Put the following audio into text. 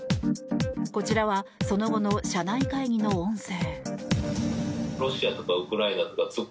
こちらはその後の社内会議の音声。